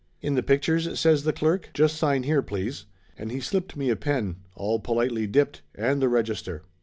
"In the pictures?" says the clerk. "Just sign here, please !" And he slipped me a pen, all politely dipped, and the register.